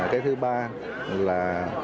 cái thứ ba là